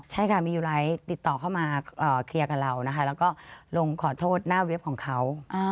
ใช่ค่ะมียูไลท์ติดต่อเข้ามาเคลียร์กับเรานะคะแล้วก็ลงขอโทษหน้าเว็บของเขา